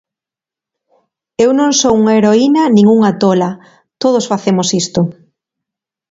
Eu non son unha heroína nin unha tola, todos facemos isto.